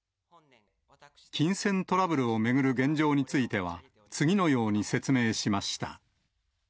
金銭トラブルを巡る現状については、次のように説明しました。